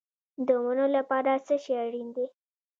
د ونو لپاره څه شی اړین دی؟